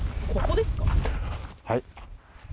はい。